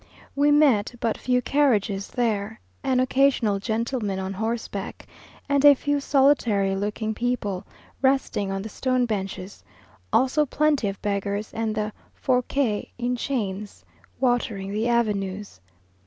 We met but few carriages there, an occasional gentleman on horseback, and a few solitary looking people resting on the stone benches, also plenty of beggars, and the forçats in chains, watering the avenues.